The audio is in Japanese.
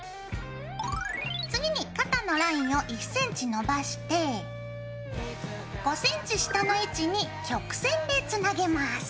次に肩のラインを１ｃｍ伸ばして５ｃｍ下の位置に曲線でつなげます。